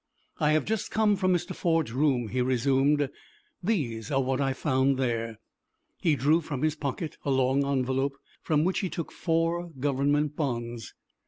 "I have just come from Mr. Ford's room," he resumed. "These are what I found there." He drew from his pocket a long envelope, from which he took four government bonds.